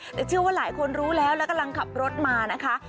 แต่เชื่อว่าหลายคนรู้แล้วแล้วกำลังขับรถมานะคะ